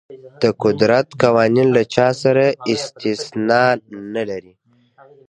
د قدرت قوانین له چا سره استثنا نه لري.